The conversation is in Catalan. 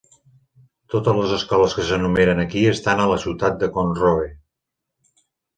Totes les escoles que s'enumeren aquí estan a la ciutat de Conroe.